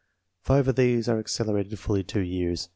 Five of these are accelerated fully two years.